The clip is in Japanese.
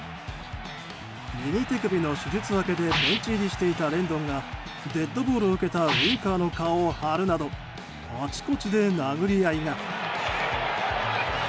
右手首の手術明けでベンチ入りしていたレンドンがデッドボールを受けたウィンカーの顔を殴るなどあちこちで殴り合いが。